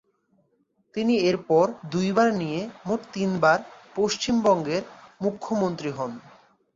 তিনি এরপর দুই বার নিয়ে মোট তিনবার পশ্চিমবঙ্গের মুখ্যমন্ত্রী হন।